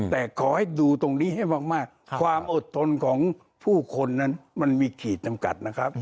แต่ขอให้ดูตรงนี้ให้มากความอดทนของผู้คนนั้นมันมีขีดจำกัดนะครับ